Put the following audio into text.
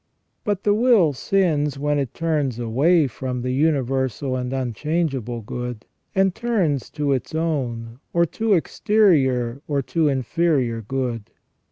But the will sins when it turns away from the universal and unchangeable good, and turns to its own, or to exterior, or to inferior good.